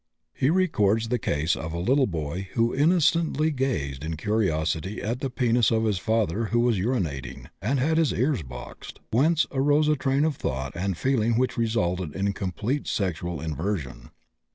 He records the case of a little boy who innocently gazed in curiosity at the penis of his father who was urinating, and had his ears boxed, whence arose a train of thought and feeling which resulted in complete sexual inversion.